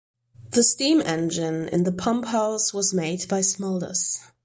The steam engine in the pumphouse was made by Smulders.